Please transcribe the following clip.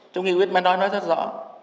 trong nghị quyết mà nói rất rõ